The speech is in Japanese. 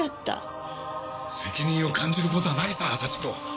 責任を感じる事はないさ祥子。